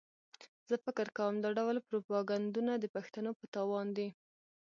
زه فکر کوم دا ډول پروپاګنډونه د پښتنو په تاوان دي.